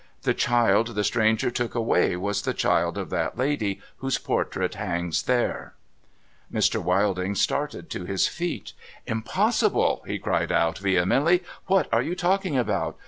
The child the stranger took away was the child of that lady whose portrait hangs there I '. Mr. Wilding started to his feet. ' Impossible !' he cried out, vehemently. ' ^^'hat are you talking about